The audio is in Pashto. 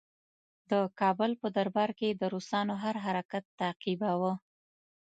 د کابل په دربار کې یې د روسانو هر حرکت تعقیباوه.